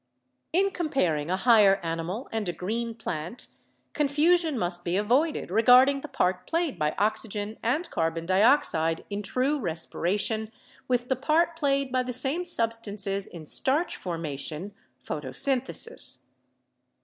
In comparing a higher animal and a green plant con fusion must be avoided regarding the part played by oxy gen and carbon dioxide in true respiration with the part played by the same substances in starch formation (photo synthesis).